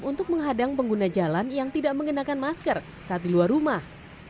untuk menghadang pengguna jalan yang tidak mengenakan masker saat di luar rumah